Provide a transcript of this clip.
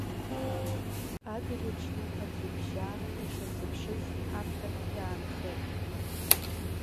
Адырҩаҽны аӡҩыбжьаа ишырзыԥшыз ҳамҭак иаанхеит.